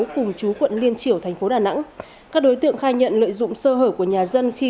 cùng chú quận liên triểu thành phố đà nẵng các đối tượng khai nhận lợi dụng sơ hở của nhà dân khi